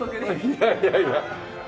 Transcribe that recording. いやいやいや。